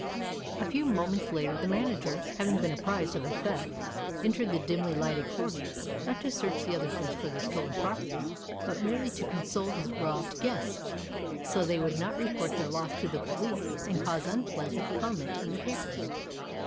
A few moments later the manager, having been apprised of the theft, entered the dimly lighted quarters, not to search the other bunks for their stolen property, but merely to console his robbed guests, so they would not report their loss to the police and cause unpleasant comment in the papers.